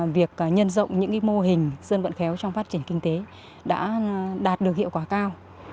việc nhân rộng những mô hình dân vận khéo trong phát triển kinh tế đã đạt được hiệu quả cao